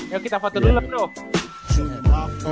yuk kita foto dulu dong